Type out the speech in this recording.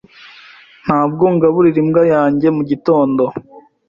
Ntabwo ngaburira imbwa yanjye mugitondo.